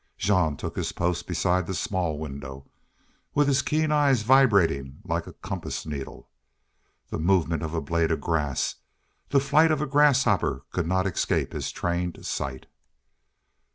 Jean took his post beside the small window, with his keen eyes vibrating like a compass needle. The movement of a blade of grass, the flight of a grasshopper could not escape his trained sight.